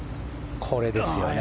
これですね。